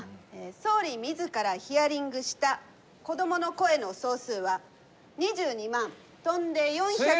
総理みずからヒアリングした子どもの声の総数は２２万とんで四百。